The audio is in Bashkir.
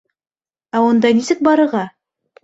Ә унда нисек барырға?